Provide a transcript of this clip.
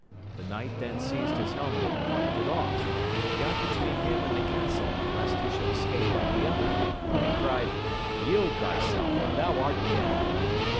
The knight then seized his helmet and plucked it off, and got between him and the castle lest he should escape like the other, and cried, Yield thyself or thou art dead.